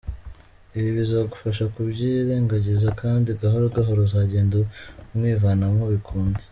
Ibi bizagufasha kubyirengagiza kandi gahoro gahoro uzagenda umwivanamo bikunde.